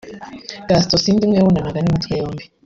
Gaston Sindimwe yabonanaga n’imitwe yombi